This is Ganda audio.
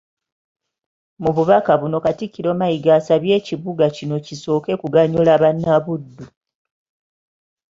Mu bubaka buno Katikkiro Mayiga asabye ekibuga kino kisooke kuganyula bannabuddu.